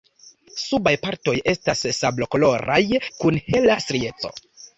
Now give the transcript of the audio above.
Subaj partoj estas sablokoloraj kun hela strieco.